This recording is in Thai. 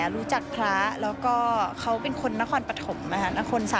รู้จักพระแล้วก็เขาเป็นคนนครปฐม๓